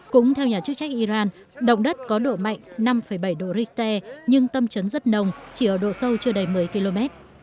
cũng theo nhà chức trách iran động đất có độ mạnh năm bảy độ richter nhưng tâm trấn rất nồng chỉ ở độ sâu chưa đầy một mươi km